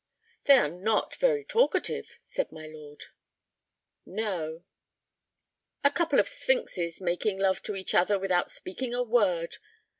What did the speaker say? "They are not very talkative," said my lord. "No." "A couple of sphinxes making love to each other without speaking a word!